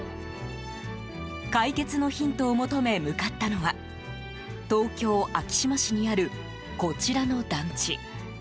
解決のヒントを求め向かったのは東京・昭島市にあるこちらの団地。